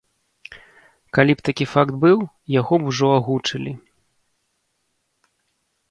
Калі б такі факт быў, яго б ужо агучылі.